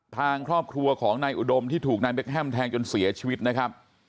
ทางครอบครัวของนายอุดมที่ถูกนายเบคแฮมแทงจนเสียชีวิตนะครับ